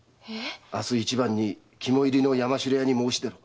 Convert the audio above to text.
明日一番に肝入りの山城屋に申し出ろ。